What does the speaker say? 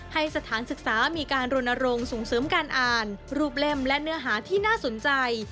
ให้สถานศึกษามีการรณรงค์ส่งเสริมการอ่านรูปเล่มและเนื้อหาที่น่าสนใจ